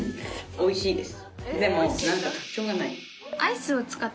おいしいです。